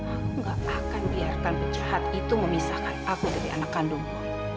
aku gak akan biarkan penjahat itu memisahkan aku dari anak kandungku